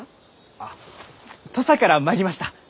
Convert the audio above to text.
あ土佐から参りました！